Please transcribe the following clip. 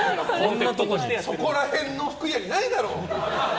そこら辺の服屋にないだろ！